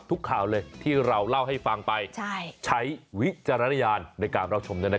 ข่าวเลยที่เราเล่าให้ฟังไปใช้วิจารณญาณในการรับชม